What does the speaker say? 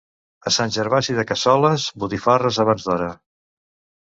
A Sant Gervasi de Cassoles, botifarres abans d'hora.